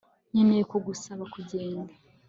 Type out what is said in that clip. Nkeneye kugusaba kugenda